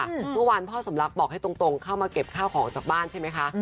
เมื่อวานพ่อสมรักบอกให้ตรงเข้ามาเก็บข้าวของออกจากบ้านใช่ไหมคะ